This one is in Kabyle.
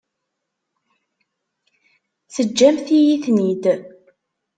Teǧǧamt-iyi-ten-id?